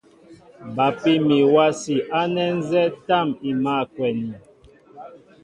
Bapí mi wási ánɛ nzɛ́ɛ́ tâm i mǎl a kwɛni.